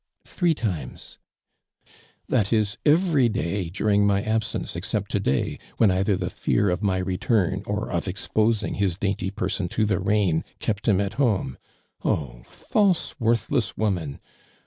••Three times," "That is, every day during my absence, except to day, when either the fear of my return, or of exposing his dainty person to the rahi, kept him at home, oh false, ■woithless woman!